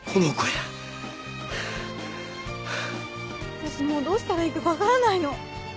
わたしもうどうしたらいいか分からないの。